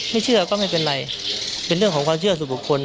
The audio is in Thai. ไม่เชื่อก็ไม่เป็นไรเป็นเรื่องของความเชื่อสู่บุคคล